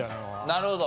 なるほど。